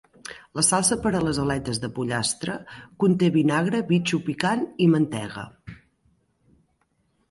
La salsa per a les aletes de pollastre conté vinagre, bitxo picant i mantega.